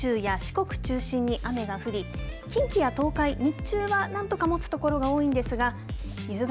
九州や四国中心に雨が降り、近畿や東海日中は何とかもつところが多いんですが。